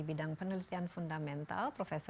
bidang penelitian fundamental prof